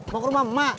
mau ke rumah ma